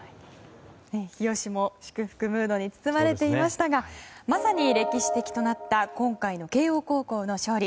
日吉も祝福ムードに包まれていましたがまさに歴史的となった今回の慶応高校の勝利。